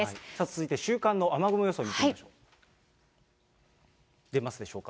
続いて週間の雨雲予想見ていきましょう。